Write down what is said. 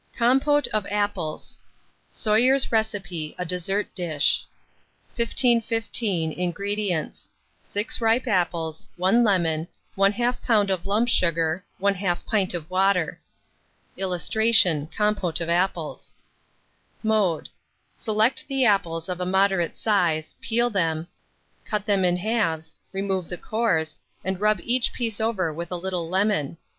COMPOTE OF APPLES. (Soyer's Recipe, a Dessert Dish.) 1515. INGREDIENTS. 6 ripe apples, 1 lemon, 1/2 lb. of lump sugar, 1/2 pint of water. [Illustration: COMPÔTE OF APPLES.] Mode. Select the apples of a moderate size, peel them, cut them in halves, remove the cores, and rub each piece over with a little lemon.